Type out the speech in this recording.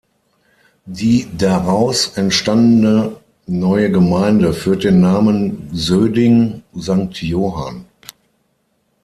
Die daraus entstandene neue Gemeinde führt den Namen Söding-Sankt Johann.